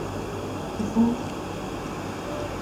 Khızeft!